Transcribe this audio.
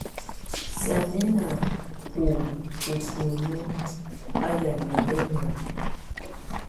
Sianɛna u bubǝ́nu á yamɛ̀á ɛnɔkɔ.